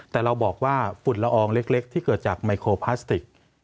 แต่เราบอกว่าฝุ่นละอองเล็กที่เกิดจากไมโครพลาสติก